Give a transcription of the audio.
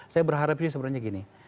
saya berharap sih sebenarnya gini